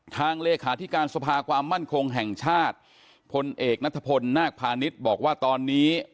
เลขาธิการสภาความมั่นคงแห่งชาติพลเอกนัทพลนาคพาณิชย์บอกว่าตอนนี้